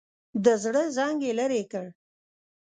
د زړه زنګ یې لرې کړ.